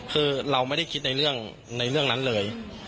คือเราไม่ได้คิดในเรื่องนั้นเลย